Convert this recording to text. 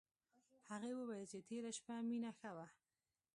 هغې وویل چې تېره شپه مينه ښه وه